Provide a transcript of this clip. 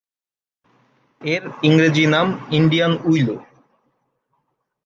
এর ইংরেজি নাম ইন্ডিয়ান উইলো।